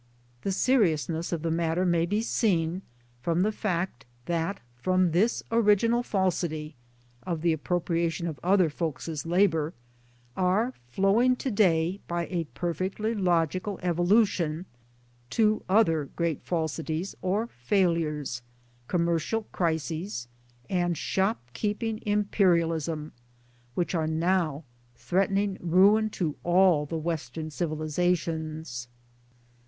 The seriousness of the matter may be seen from the fact that from this original falsity (of the appropriation of other folks' labour) are flowing to day by a perfectly logical evo lution two other great falsities or failures Commer cial Crises and shop keeping Imperialism which are now threatening ruin to all the Western Civilizations.